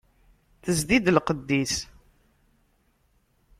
Tezdi-d lqedd-is.